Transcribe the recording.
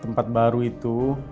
tempat baru itu